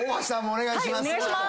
お願いします。